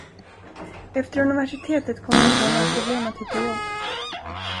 Efter universitetet kommer du inte ha några problem att hitta jobb.